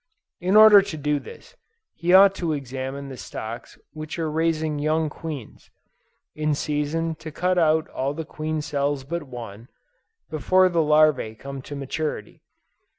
In order to do this, he ought to examine the stocks which are raising young queens, in season to cut out all the queen cells but one, before the larvæ come to maturity.